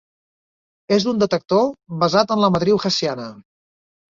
És un detector basat en la matriu Hessiana.